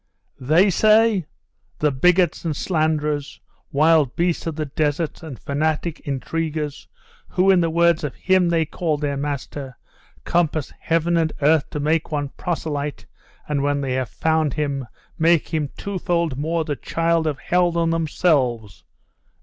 'They say! The bigots and slanderers; wild beasts of the desert, and fanatic intriguers, who, in the words of Him they call their master, compass heaven and earth to make one proselyte, and when they have found him, make him two fold more the child of hell than themselves.